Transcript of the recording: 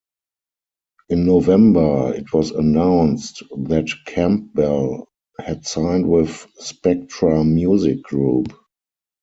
In November, it was announced that Campbell had signed with Spectra Music Group.